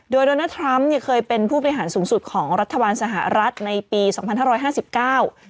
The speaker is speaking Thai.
โดยโดนัลดทรัมป์เนี่ยเคยเป็นผู้บริหารสูงสุดของรัฐบาลสหรัฐในปีสองพันห้าร้อยห้าสิบเก้า